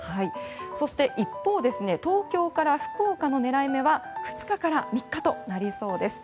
そして、一方東京から福岡の狙い目は２日から３日となりそうです。